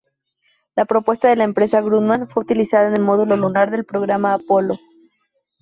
La propuesta de la empresa Grumman fue utilizar el módulo lunar del programa Apolo.